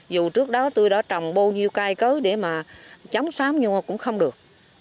dù trước đó tôi đã trồng bao nhiêu cai cớ để mà chống sống nhưng mà cũng không được